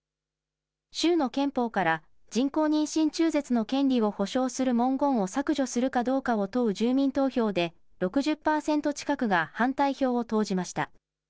州の憲法から、人工妊娠中絶の権利を保障する文言を削除するかどうかを問う住民投票で、６０％近くが反対票を投じました。